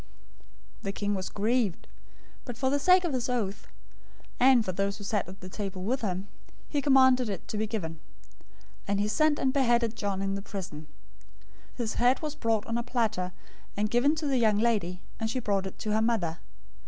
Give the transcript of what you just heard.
014:009 The king was grieved, but for the sake of his oaths, and of those who sat at the table with him, he commanded it to be given, 014:010 and he sent and beheaded John in the prison. 014:011 His head was brought on a platter, and given to the young lady: and she brought it to her mother.